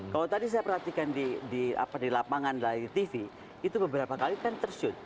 kalau tadi saya perhatikan di lapangan dari tv itu beberapa kali kan tersyut